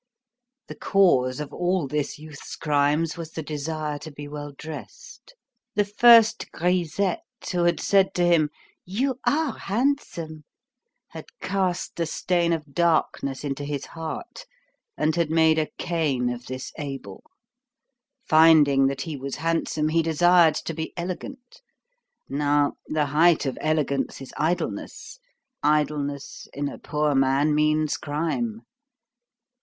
The cause of all this youth's crimes was the desire to be well dressed. The first grisette who had said to him: "You are handsome!" had cast the stain of darkness into his heart, and had made a Cain of this Abel. Finding that he was handsome, he desired to be elegant: now, the height of elegance is idleness; idleness in a poor man means crime.